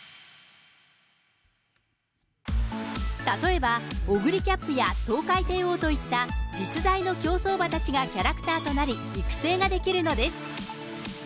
例えば、オグリキャップやトウカイテイオーといった、実在の競走馬たちがキャラクターになり、育成ができるのです。